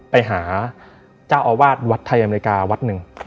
ไปหาเจ้าอาวาสวัดไทยอเมริกาวัดหนึ่ง